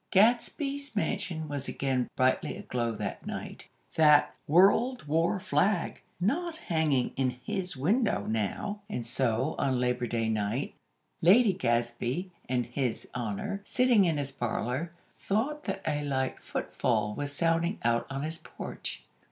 Gadsby's mansion was again brightly aglow that night, that "World War flag" not hanging in his window now. And so, on Labor Day night, Lady Gadsby and His Honor, sitting in his parlor, thought that a light footfall was sounding out on his porch.